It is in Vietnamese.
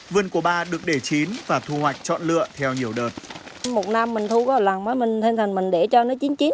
vườn của bà được để chín và thu hoạch chọn lựa theo nhiều đợt